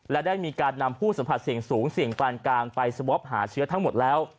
และได้มีการนำผู้สัมผัสเสี่ยงสูงเสี่ยงปานกลางไปสวอปหาเชื้อทั้งหมดแล้ว